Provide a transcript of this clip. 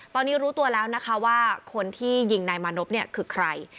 ตอนนี้รู้ตัวแล้วนะคะว่าคนที่ยิงนายมานพคือใคร